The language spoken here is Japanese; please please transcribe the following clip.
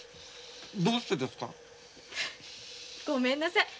ごめんなさい。